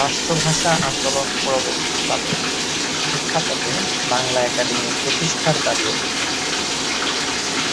রাষ্ট্রভাষা আন্দোলন-পরবর্তী কালের প্রেক্ষাপটে বাংলা একাডেমি প্রতিষ্ঠার দাবি ওঠে।